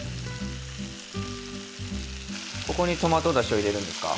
ここにトマトだしを入れるんですか？